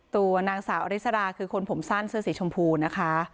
ตัวนางสาวอริสราคือคนผมสั้นเสื้อสีชมพูนะคะ